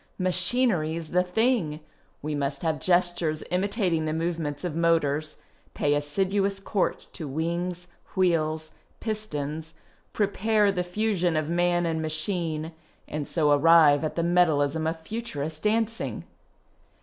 Machinery's the thing !" We must have gestures imitating the movements of motors, pay assiduous court to wings, wheels, pistons, prepare the fusion of man and machine, and so arrive at the metallism of Futurist dancing.